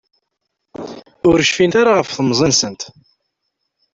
Ur cfint ara ɣef temẓi-nsent.